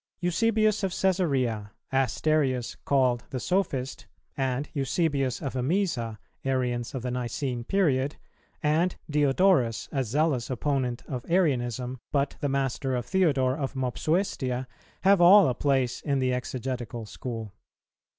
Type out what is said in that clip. Eusebius of Cæsarea, Asterius called the Sophist, and Eusebius of Emesa, Arians of the Nicene period, and Diodorus, a zealous opponent of Arianism, but the master of Theodore of Mopsuestia, have all a place in the Exegetical School.